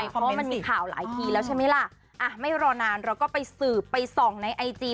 เพราะว่ามันมีข่าวหลายทีแล้วใช่ไหมล่ะไม่รอนานเราก็ไปสืบไปส่องในไอจี